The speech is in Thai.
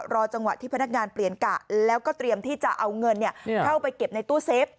รอจังหวะที่พนักงานเปลี่ยนกะแล้วก็เตรียมที่จะเอาเงินเข้าไปเก็บในตู้เซฟ